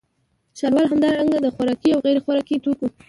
ښاروال همدارنګه د خوراکي او غیرخوراکي توکو